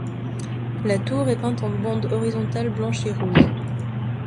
La tour est peinte en bandes horizontales blanches et rouges.